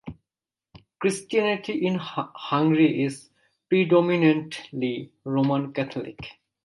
Christianity in Hungary is predominantly Roman Catholic.